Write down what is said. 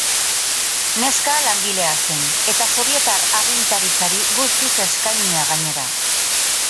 Neska langilea zen, eta sobietar agintaritzari guztiz eskainia, gainera.